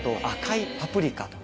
赤パプリカ？